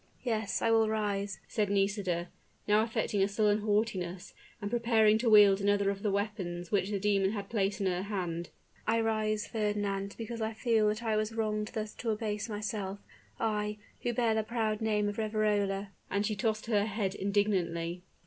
"Yes I will rise," said Nisida, now affecting a sullen haughtiness, and preparing to wield another of the weapons which the demon had placed in her hand: "I rise, Fernand, because I feel that I was wrong thus to abase myself I, who bear the proud name of Riverola;" and she tossed her head indignantly.